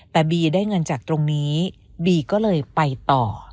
แต่บีได้เงินจากตรงนี้บีก็เลยไปต่อ